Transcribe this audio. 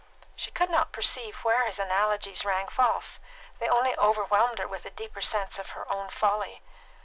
She could not perceive where his analogies rang false; they only overwhelmed her with a deeper sense of her own folly.